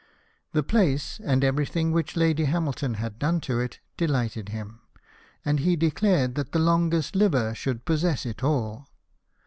The place, and everything which Lady Hamilton had done to it, delighted him ; and he declared that the longest liver should possess it all.